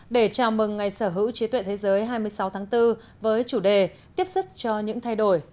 để chào mừng ngày sở hữu trí tuệ thế giới hai mươi sáu tháng bốn với chủ đề tiếp sức cho những thay đổi